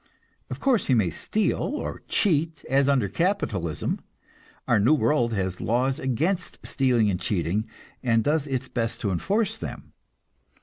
Of course, he may steal, or cheat, as under capitalism; our new world has laws against stealing and cheating, and does its best to enforce them.